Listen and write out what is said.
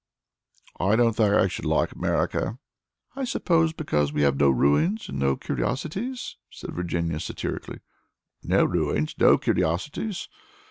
"I don't think I should like America." "I suppose because we have no ruins and no curiosities," said Virginia, satirically. "No ruins! no curiosities!"